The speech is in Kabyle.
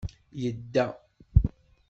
Yedda.